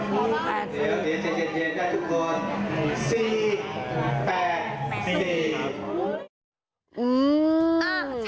ขอบ้าง